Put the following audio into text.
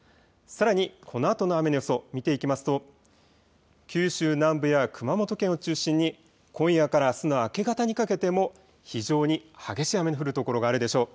さらにこのあとの雨の予想、見ていきますと、九州南部や熊本県を中心に今夜からあすの明け方にかけても非常に激しい雨の降る所があるでしょう。